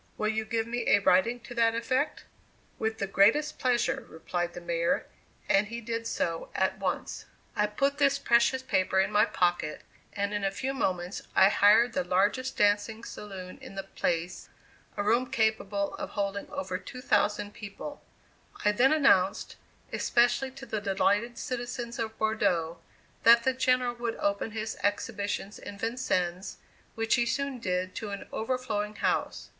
"Will you give me a writing to that effect?" "With the greatest pleasure," replied the Mayor, and he did so at once. I put this precious paper in my pocket, and in a few moments I hired the largest dancing saloon in the place, a room capable of holding over 2,000 people. I then announced, especially to the delighted citizens of Bordeaux, that the General would open his exhibitions in Vincennes, which he soon did to an overflowing house.